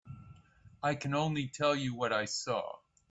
I can only tell you what I saw.